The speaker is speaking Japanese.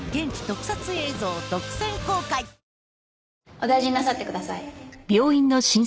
お大事になさってください。